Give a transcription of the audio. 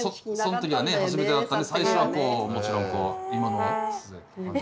そん時はね初めてだったんで最初はこうもちろんこう今の感じで。